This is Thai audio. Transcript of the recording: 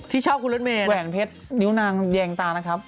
ที่ชอบคุณรถเมย์แหวนเพชรนิ้วนางแยงตานะครับ